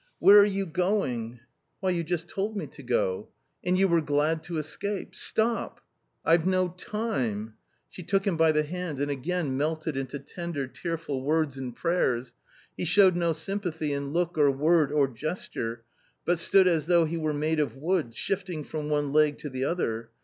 " Where are you going ?"" Why, you just told me to go." " And you were glad to escape. Stop !"" I've no time !" She took him by the hand, and again melted into tender, tearful words and prayers. He showed no sympathy in look, or word, or gesture, but stood as though he were made of wood, shifting from one leg to the other.